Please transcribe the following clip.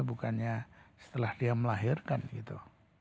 bukannya setelah dia melahirkan gitu